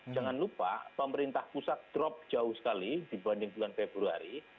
jangan lupa pemerintah pusat drop jauh sekali dibanding bulan februari